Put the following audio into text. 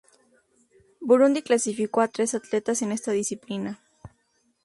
Burundi clasificó a tres atletas en esta disciplina.